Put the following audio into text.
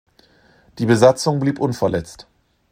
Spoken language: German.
Die Besatzung blieb unverletzt.